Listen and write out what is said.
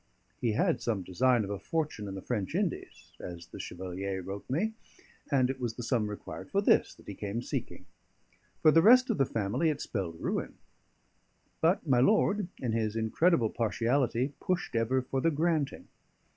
He had some design of a fortune in the French Indies, as the Chevalier wrote me; and it was the sum required for this that he came seeking. For the rest of the family it spelled ruin; but my lord, in his incredible partiality, pushed ever for the granting.